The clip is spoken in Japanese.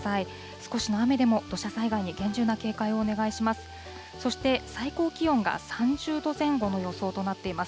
少しの雨でも土砂災害に厳重な警戒をお願いします。